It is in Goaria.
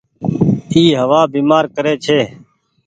اي هوآ بيمآر ڪري ڇي۔